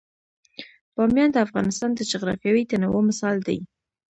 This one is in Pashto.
بامیان د افغانستان د جغرافیوي تنوع مثال دی.